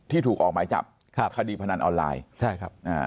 ที่ถูกออกหมายจับคดีภนันออนไลน์